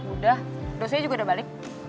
udah dosis juga udah balik